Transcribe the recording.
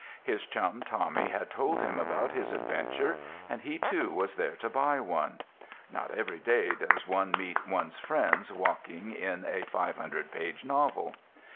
His chum Tommy had told him about his adventure, and he, too, was there to buy one. (Not every day does one meet one's friends walking in a 500 page novel!)